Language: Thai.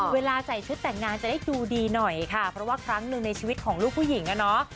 เวลาใส่ชุดแต่งงานจะได้ดูดีหน่อยค่ะเพราะว่าครั้งหนึ่งในชีวิตของลูกผู้หญิงอ่ะเนาะ